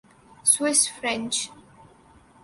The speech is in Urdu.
Swiss French